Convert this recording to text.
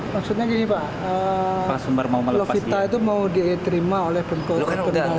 maksudnya gini pak lovita itu mau diterima oleh penkota